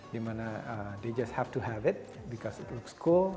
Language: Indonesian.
dimana mereka harus punya smartwatch karena terlihat keren